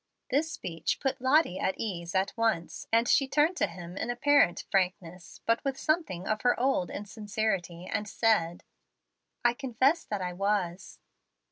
This speech put Lottie at ease at once, and she turned to him in apparent frankness, but with something of her old insincerity, and said, "I confess that I was."